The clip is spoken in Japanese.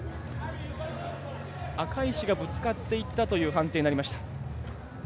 赤石がぶつかっていったという判定になりました。